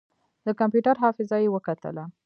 د کمپيوټر حافظه يې وکتله.